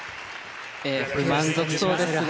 不満足そうですが。